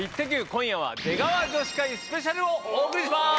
今夜は「出川女子会スペシャル」をお送りします！